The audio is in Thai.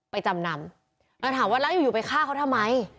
ไปจำนำแล้วถามว่าละอยู่ไปฆ่าเขาทำไม